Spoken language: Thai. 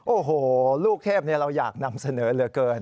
โอ้โหลูกเทพเราอยากนำเสนอเหลือเกิน